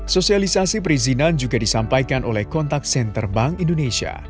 sosialisasi perizinan juga disampaikan oleh kontak senter bank indonesia